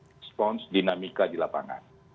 response dinamika di lapangan